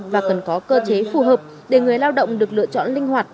và cần có cơ chế phù hợp để người lao động được lựa chọn linh hoạt